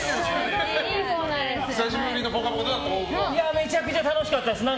めちゃくちゃ楽しかったです。